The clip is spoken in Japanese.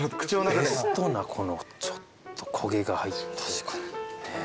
ベストなこのちょっと焦げが入った。